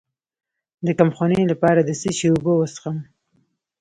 د کمخونۍ لپاره د څه شي اوبه وڅښم؟